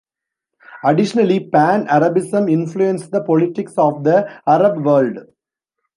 Additionally, Pan-Arabism influenced the politics of the Arab world.